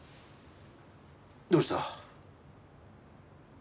どうした？